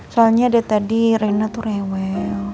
soalnya dari tadi rena tuh rewel